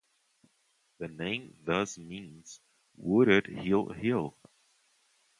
The name thus means "wooded-hill hill".